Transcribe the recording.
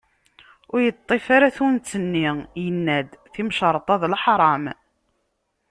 Ur yeṭṭif ara tunt-nni, yenna-d timecreṭ-a d leḥram.